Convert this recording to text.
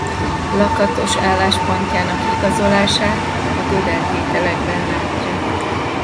Lakatos álláspontjának igazolását a Gödel-tételekben látja.